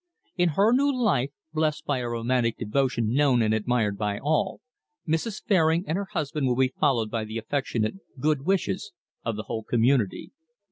"In her new life, blessed by a romantic devotion known and admired by all, Mrs. Fairing and her husband will be followed by the affectionate good wishes of the whole community."